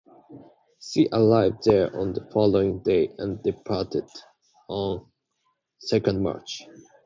She arrived there on the following day and departed on ll March.